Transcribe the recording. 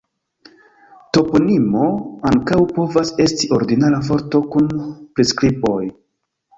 Toponimo ankaŭ povas esti ordinara vorto kun priskriboj.